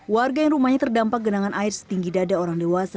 warga yang rumahnya terdampak genangan air setinggi dada orang dewasa